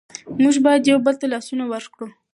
موږ باید یو بل ته لاسونه ورکړو.